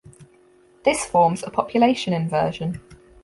This forms a population inversion.